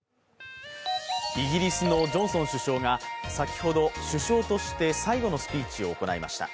イギリスのジョンソン首相が先ほど首相として最後のスピーチを行いました。